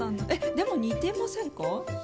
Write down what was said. でも似てませんか？